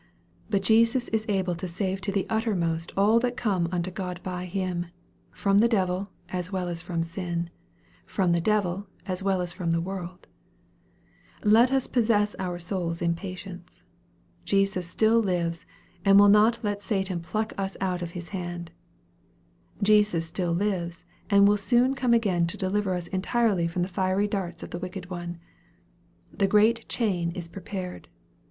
But Jesus is able to save to the uttermost all that come unto God by Him from the devil, as well as from sin from the devil, as well as from the world Let us possess our souls in patience. Jesus still lives, and will not let Satan pluck us out of His hand. Jesus still lives, and will soon come again to deliver us entirely from the fiery darts of the wicked one. The great chain is prepared.